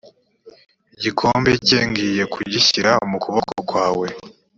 igikombe cye ngiye kugishyira mu kuboko kwawe